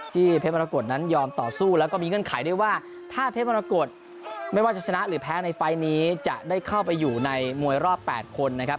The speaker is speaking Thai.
เพชรมรกฏนั้นยอมต่อสู้แล้วก็มีเงื่อนไขด้วยว่าถ้าเพชรมรกฏไม่ว่าจะชนะหรือแพ้ในไฟล์นี้จะได้เข้าไปอยู่ในมวยรอบ๘คนนะครับ